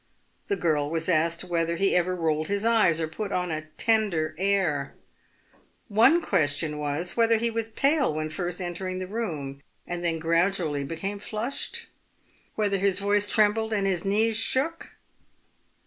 The girl was asked whether he ever rolled his eyes, or put on a tender air. One question was, whether he was pale when first entering the room, and then gradually became flushed ? whether his voice trembled and his knees shook